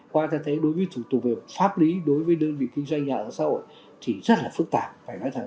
qua ta thấy đối với thủ tục về pháp lý đối với đơn vị kinh doanh nhà ở xã hội thì rất là phức tạp